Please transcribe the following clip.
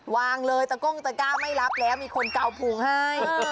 วางเลยตะก้งตะก้าไม่รับแล้วมีคนเกาพุงให้